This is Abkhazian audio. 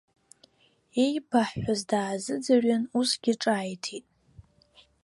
Еибаҳҳәоз даазыӡырҩын, усгьы ҿааиҭит.